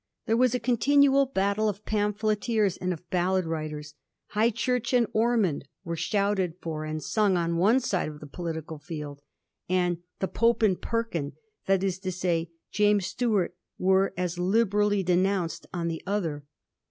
There was a continual battle of pamphleteers and of ballad writers. ' High Church and Ormond!' were shouted for and sung on one side of the political field, and the 'Pope and Perkin,' that is to say, James Stuart, were as liberally denounced on the other.